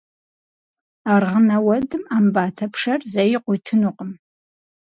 Аргъынэ уэдым Ӏэмбатэ пшэр зэи къуитынукъым.